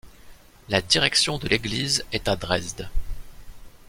La direction de l’Église est à Dresde.